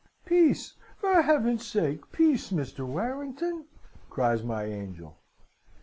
"'Peace, for Heaven's sake, peace, Mr. Warrington!' cries my angel.